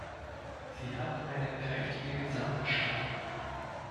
Sie hat eine kräftige Gesamterscheinung.